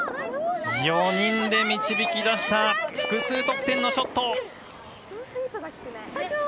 ４人で導き出した複数得点のショット！